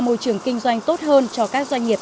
môi trường kinh doanh tốt hơn cho các doanh nghiệp